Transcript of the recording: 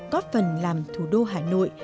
góp phần làm thủ đô hà nội